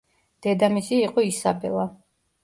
დედამისი იყო ისაბელა.